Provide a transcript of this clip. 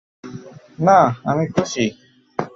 না, আমি খুশি!